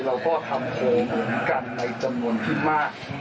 เราก็ทำโพงเหมือนกันในจำนวนที่มาก